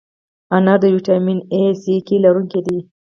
انار د ویټامین A، C، K لرونکی دی.